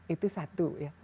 itu satu ya